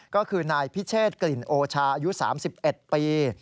ก็คือนายพิเชษกลิ่นโอชาอายุ๓๑ปี